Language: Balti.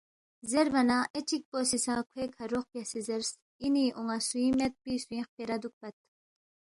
زیربا نہ اے چِکپو سی سہ کھوے کھا روخ بیاسے زیرس، اِنی اون٘ا سُوئِنگ میدپی سُوئِنگ خپیرا دُوکپت